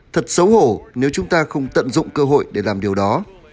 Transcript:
thật xấu hổ nếu chúng ta không tận dụng cơ hội để làm điều đó